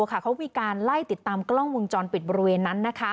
เขามีการไล่ติดตามกล้องวงจรปิดบริเวณนั้น